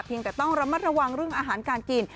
ยังแต่ต้องระมัดระวังเรื่องอาหารการกิน